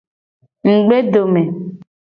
Ngugbedome.